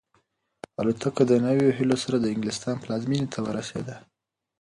الوتکه د نویو هیلو سره د انګلستان پلازمینې ته ورسېده.